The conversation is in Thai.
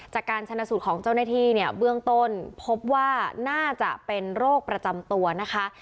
จากการชนะสูตรของเจ้าหน้าที่เนี่ยเบื้องต้นพบว่าน่าจะเป็นโรคประจำตัวนะคะ